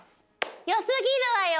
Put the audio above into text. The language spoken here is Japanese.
よすぎるわよ！